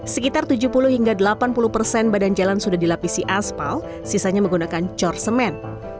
sekitar tujuh puluh hingga delapan puluh persen badan jalan sudah dilapisi aspal sisanya menggunakan cor semen